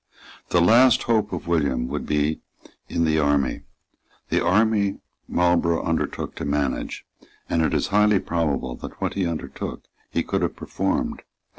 The last hope of William would be in the army. The army Marlborough undertook to manage; and it is highly probable that what he undertook he could have performed.